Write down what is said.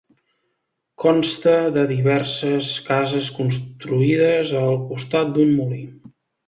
Consta de diverses cases construïdes al costat d'un molí.